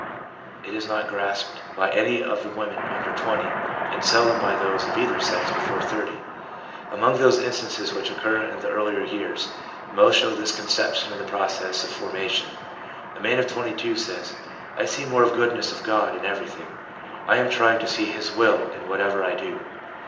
It is not grasped by any of the women under 20, and seldom by those of either sex before 30. Among those instances which occur in the earlier years, most show this concep tion in the process of formation. A man of 22 says :' I see more of the goodness of God in everything. I am trying to see His will in whatever I do.'